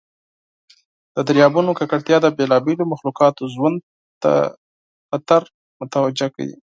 د دریابونو ککړتیا د بیلابیلو مخلوقاتو ژوند ته خطر متوجه کوي.